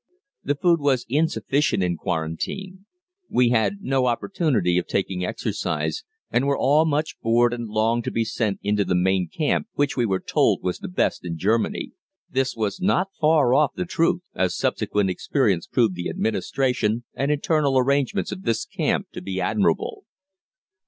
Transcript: The food was insufficient in quarantine. We had no opportunity of taking exercise, and were all much bored and longed to be sent into the main camp, which we were told was the best in Germany. This was not far off the truth, as subsequent experience proved the administration and internal arrangements of this camp to be admirable.